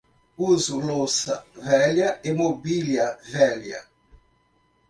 Uso louça velha e mobília velha.